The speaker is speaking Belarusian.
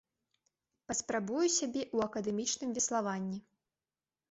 Паспрабую сябе ў акадэмічным веславанні.